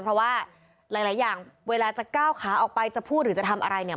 เพราะว่าหลายอย่างเวลาจะก้าวขาออกไปจะพูดหรือจะทำอะไรเนี่ย